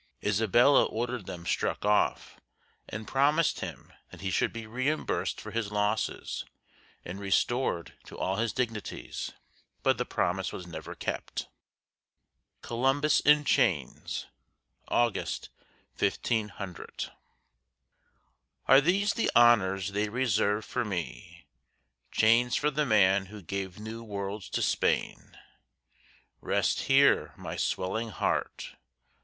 Isabella ordered them struck off, and promised him that he should be reimbursed for his losses and restored to all his dignities; but the promise was never kept. COLUMBUS IN CHAINS [August, 1500] Are these the honors they reserve for me, Chains for the man who gave new worlds to Spain! Rest here, my swelling heart!